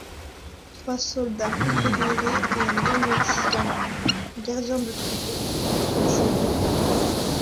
Trois soldats confédérés et un jeune Mexicain, gardien de troupeau, sont tués.